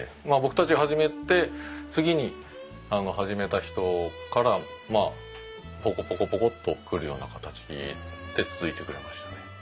まあ僕たちが始めて次に始めた人からポコポコポコッと来るような形で続いてくれましたね。